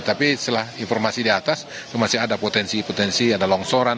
tapi setelah informasi di atas masih ada potensi potensi ada longsoran